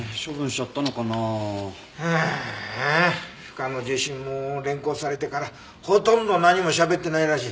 深野自身も連行されてからほとんど何もしゃべってないらしい。